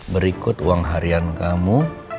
berikut uang harian kamu